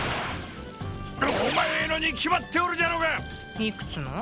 お前のに決まっておるじゃろうがいくつの？